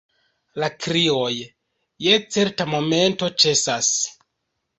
La krioj, je certa momento, ĉesas.